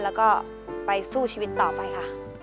แล้วก็ไปสู้ชีวิตต่อไปค่ะ